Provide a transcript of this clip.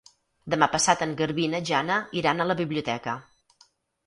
Demà passat en Garbí i na Jana iran a la biblioteca.